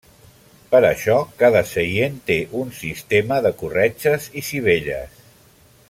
Per a això cada seient té un sistema de corretges i sivelles.